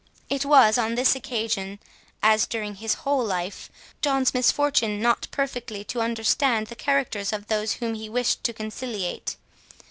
It was on this occasion, as during his whole life, John's misfortune, not perfectly to understand the characters of those whom he wished to conciliate.